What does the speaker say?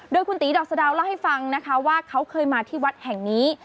โดยคุณตีดอกสะดาวเล่าให้ฟังนะคะว่าเขาเคยมาที่วัดแห่งนี้